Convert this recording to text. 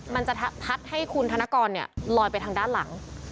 มันจะพัดให้คุณธนกรลอยไปทางด้านหลัง